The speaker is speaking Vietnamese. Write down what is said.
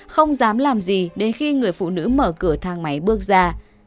không dám làm gì đến khi người phụ nữ mở cửa thang máy bước ra